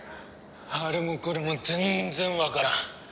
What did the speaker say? あれもこれも全然わからん。